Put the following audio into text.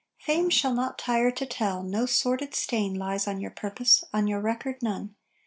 Fame shall not tire to tell, no sordid stain Lies on your purpose, on your record none.